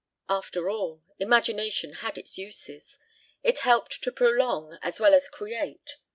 After all, imagination had its uses. It helped to prolong as well as create.